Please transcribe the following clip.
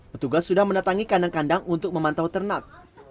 petugas sudah mendatangi kandang kandang untuk memantau ternak